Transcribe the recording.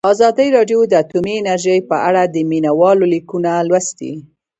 ازادي راډیو د اټومي انرژي په اړه د مینه والو لیکونه لوستي.